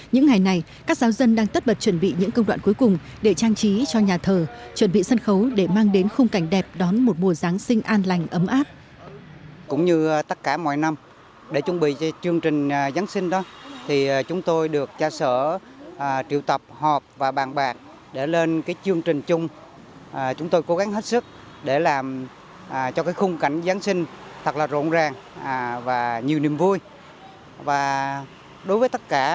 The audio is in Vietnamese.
những ngày này các giáo dân đang tất bật chuẩn bị những công đoạn cuối cùng để trang trí cho nhà thờ chuẩn bị sân khấu để mang đến khung cảnh đẹp đón một mùa giáng sinh an lành ấm áp